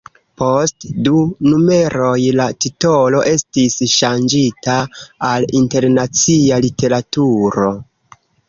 Post du numeroj la titolo estis ŝanĝita al Internacia Literaturo.